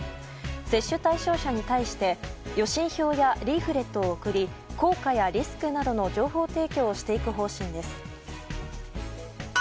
接種対象者に対して予診票やリーフレットを送り効果やリスクなどの情報提供をしていく方針です。